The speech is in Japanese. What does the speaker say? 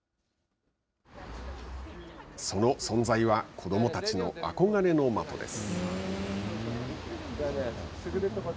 その存在は子どもたちの憧れの的です。